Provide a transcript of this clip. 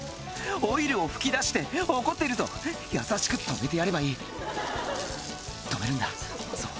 オイルを噴き出して怒っているぞ優しく止めてやればいい止めるんだそう